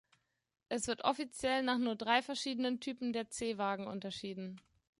Es wird offiziell nach nur drei verschiedenen Typen der C-Wagen unterschieden.